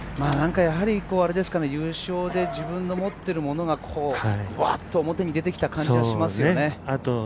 優勝で自分の持っているものがワッと表に出てきた感じがしますよね。